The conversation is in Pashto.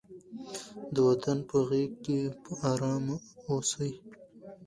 د وطن په غېږ کې په ارامه اوسئ.